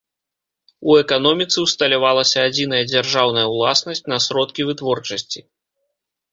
У эканоміцы ўсталявалася адзіная дзяржаўная ўласнасць на сродкі вытворчасці.